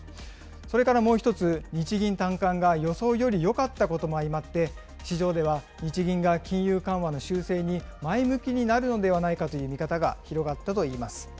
それからもう一つ、日銀短観が予想よりよかったことも相まって、市場では日銀が金融緩和の修正に前向きになるのではないかという見方が広がったといいます。